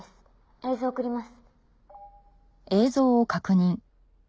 映像送ります」